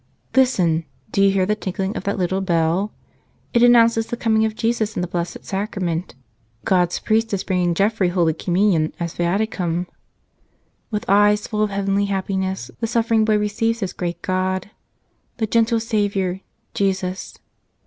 Listen. Do you hear the tinkling of that little bell? It announces the coming of Jesus in the Blessed Sacrament. God's priest is bringing Godfrey Holy Communion, as Via¬ ticum. With eyes full of heavenly happiness the suffering boy receives His great God, the gentle Savior, Jesus.